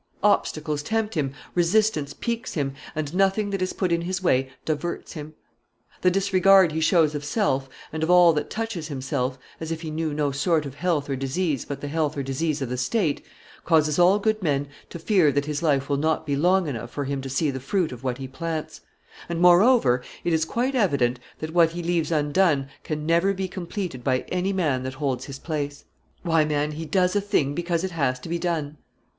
Obstacles tempt him, resistance piques him, and nothing that is put in his way diverts him; the disregard he shows of self, and of all that touches himself, as if he knew no sort of health or disease but the health or disease of the state, causes all good men to fear that his life will not be long enough for him to see the fruit of what he plants; and moreover, it is quite evident that what he leaves undone can never be completed by any man that holds his place. Why, man, he does a thing because it has to be done!